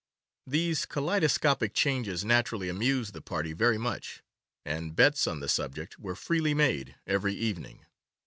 These kaleidoscopic changes naturally amused the party very much, and bets on the subject were freely made every evening.